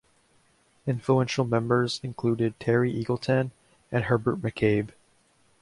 Influential members included Terry Eagleton and Herbert McCabe.